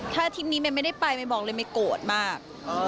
ถ้าอาทิตย์นี้เมย์ไม่ได้ไปเมย์บอกเลยเมย์โกรธมาก